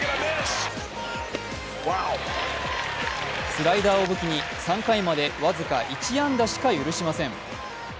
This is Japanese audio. スライダーを武器に３回まで僅か１安打しか許しません。